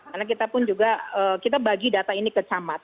karena kita pun juga kita bagi data ini ke camat